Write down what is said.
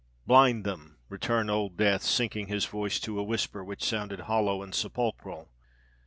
"Blind them!" returned Old Death, sinking his voice to a whisper, which sounded hollow and sepulchral.